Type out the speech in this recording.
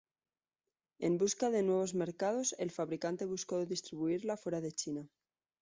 En busca de nuevos mercados, el fabricante buscó distribuirla fuera de China.